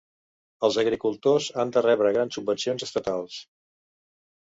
Els agricultors han de rebre grans subvencions estatals.